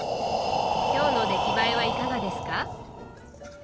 今日の出来栄えはいかがですか？